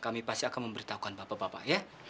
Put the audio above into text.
kami pasti akan memberitahukan bapak bapak ya